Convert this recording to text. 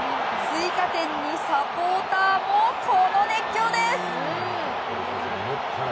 追加点にサポーターもこの熱狂です！